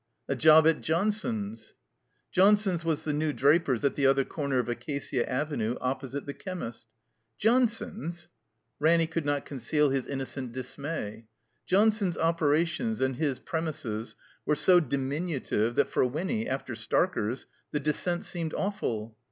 "A job at Johnson's." Johnson's was the new drai)ers at the other comer of Acacia Avenue, opposite the chemist. "Johnson's?" Ranny could not conceal his inno cent dismay. Johnson's operations and his prem ises were so diminutive that for Wiimy — after Starker's — ^the descent seemed awful.